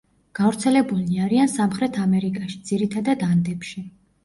გავრცელებულნი არიან სამხრეთ ამერიკაში, ძირითადად ანდებში.